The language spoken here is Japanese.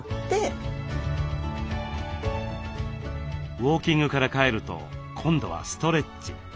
ウォーキングから帰ると今度はストレッチ。